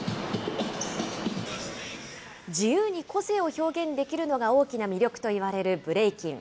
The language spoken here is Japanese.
自由に個性を表現できるのが大きな魅力といわれるブレイキン。